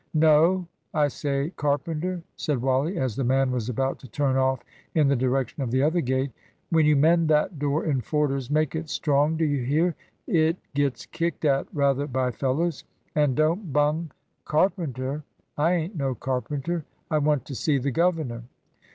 "No. I say, carpenter," said Wally, as the man was about to turn off in the direction of the other gate, "when you mend that door in Forder's, make it strong, do you hear? It gets kicked at rather by fellows. And don't bung " "Carpenter? I ain't no carpenter. I want to see the governor."